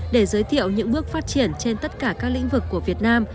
để giới thiệu những bước phát triển trên tất cả các lĩnh vực của việt nam